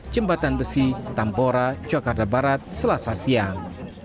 jembatan besi tambora jakarta barat selasa siang